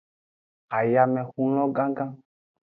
Ayamehun lo gangan.